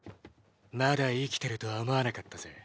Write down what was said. まだ生きてるとは思わなかったぜ。